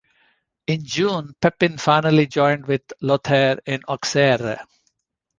In June, Pepin finally joined with Lothair in Auxerre.